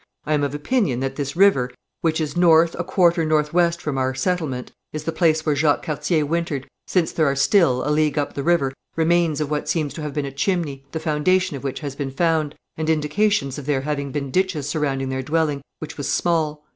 I am of opinion that this river, which is north a quarter north west from our settlement, is the place where Jacques Cartier wintered, since there are still, a league up the river, remains of what seems to have been a chimney, the foundation of which has been found, and indications of there having been ditches surrounding their dwelling, which was small.